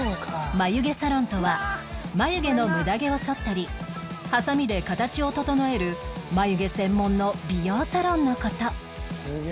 眉毛サロンとは眉毛の無駄毛をそったりハサミで形を整える眉毛専門の美容サロンの事